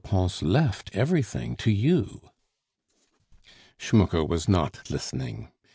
Pons left everything to you?" Schmucke was not listening.